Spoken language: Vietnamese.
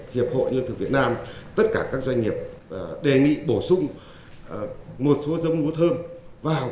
hiệp hội nông thôn việt nam tất cả các doanh nghiệp đề nghị bổ sung một số giống lúa thơm vào cái danh lục